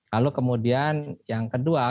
lalu kemudian yang kedua